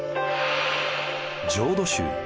浄土宗。